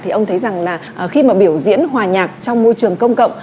thì ông thấy rằng là khi mà biểu diễn hòa nhạc trong môi trường công cộng